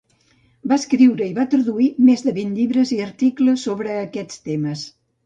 Va escriure i va traduir més de vint llibres i articles sobre aquests temes.